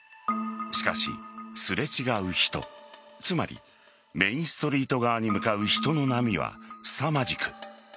しかし、すれ違う人つまりメインストリート側に向かう人の波はすさまじく